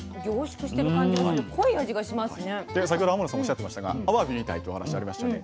で先ほど天野さんおっしゃってましたがあわびみたいというお話ありましたよね。